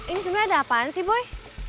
ini sebenarnya ada apaan sih boy